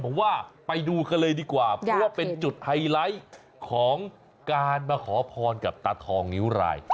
ผมว่าไปดูกันเลยดีกว่าเพราะว่าเป็นจุดไฮไลท์ของการมาขอพรกับตาทองนิ้วราย